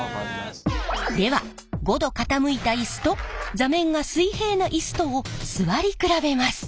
では５度傾いたイスと座面が水平なイスとを座り比べます！